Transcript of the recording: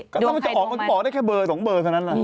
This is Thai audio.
ก็ต้องมันจะบอกได้แค่เบอร์สองเบอร์แค่นั้นแหละ